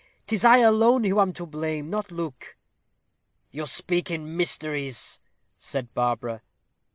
'Tis I alone who am to blame, not Luke." "You speak in mysteries," said Barbara.